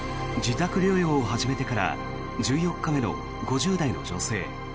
自宅療養を始めてから１４日目の５０代の女性。